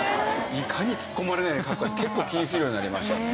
いかにツッコまれないように書くかって結構気にするようになりましたね。